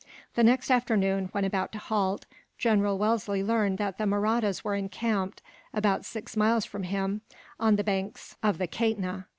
The next afternoon, when about to halt, General Wellesley learned that the Mahrattas were encamped about six miles from him, on the banks of the Kaitna.